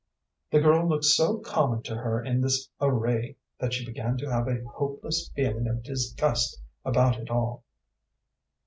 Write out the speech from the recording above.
The girl looked so common to her in this array that she began to have a hopeless feeling of disgust about it all.